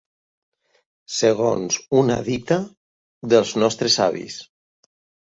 Segons una dita dels nostres avis.